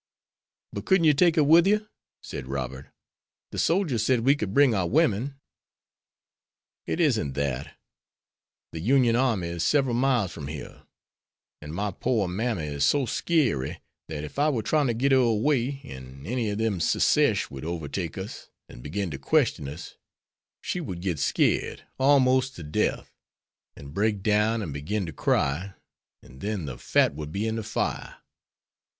"But couldn't you take her with you," said Robert, "the soldiers said we could bring our women." "It isn't that. The Union army is several miles from here, an' my poor mammy is so skeery that, if I were trying to get her away and any of them Secesh would overtake us, an' begin to question us, she would get skeered almost to death, an' break down an' begin to cry, an' then the fat would be in the fire.